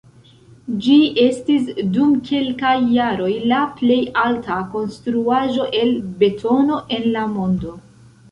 Ĝi estis dum kelkaj jaroj la plej alta konstruaĵo el betono en la mondo.